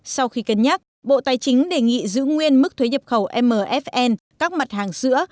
sau khi cân nhắc bộ tài chính đề nghị giữ nguyên mức thuế nhập khẩu mfn các mặt hàng sữa